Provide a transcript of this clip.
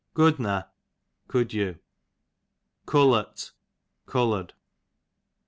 Cudneh, cou''d you. Cullert, coloured.